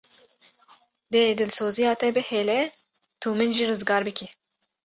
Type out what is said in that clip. Dê dilzosiya te bihêle tu min jî rizgar bikî.